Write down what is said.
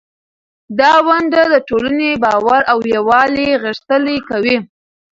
دا ونډه د ټولنې باور او یووالی غښتلی کوي.